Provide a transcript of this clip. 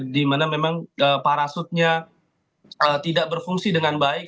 di mana memang parasutnya tidak berfungsi dengan baik